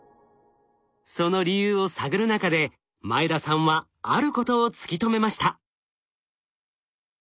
その理由を探る中で前田さんはあることを突き止めました。